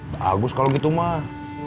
bagus kalau gitu mah